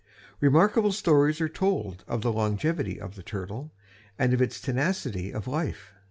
Remarkable stories are told of the longevity of the turtle and of its tenacity of life.